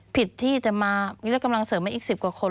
ผิดที่จะมายึดกำลังเสริมมาอีก๑๐กว่าคน